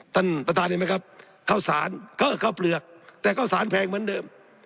ต่างเห็นไหมครับเข้าสารเข้าเปลือกแต่เข้าสารแพงเหมือนเดิม